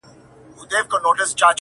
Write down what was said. ما يې توبه د کور ومخته په کوڅه کي وکړه!